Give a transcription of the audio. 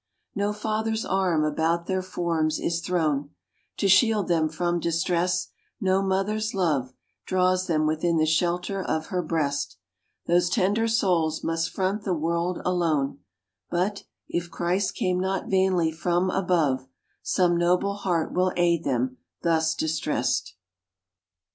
No father's arm about their forms is thrown To shield them from distress, no mother's love Draws them within the shelter of her breast. Those tender souls must front the world alone; But, if Christ came not vainly from above, Some noble heart will aid them, thus distressed.